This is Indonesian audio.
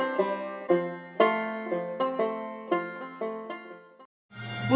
aku akan menembakmu